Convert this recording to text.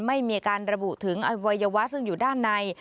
ไม่มีการระบุถึงอวัยวะซึ่งอยู่ด้านใน